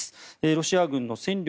ロシア軍の戦力